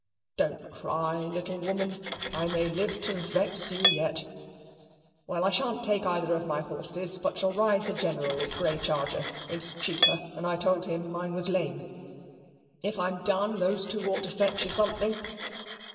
Don't cry, little woman; I may live to vex you yet. Well, I shan't take either of my horses, but shall ride the General's grey charger: it's cheaper, and I told him mine was lame. If I'm done, those two ought to fetch you something.